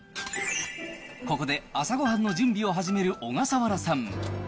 ここで朝ごはんの準備を始める小笠原さん。